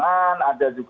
ada juga yang